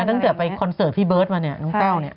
ตั้งแต่ไปคอนเสิร์ตพี่เบิร์ตมาเนี่ยน้องแต้วเนี่ย